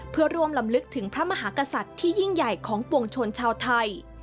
เพื่อร่วมลำลึกถึงพระมหากษัตริย์ที่ยิ่งใหญ่ของปวงชนชาวไทย